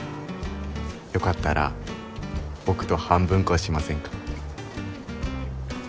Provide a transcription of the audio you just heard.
よかったら僕と半分こしませんか？